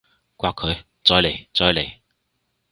摑佢！再嚟！再嚟！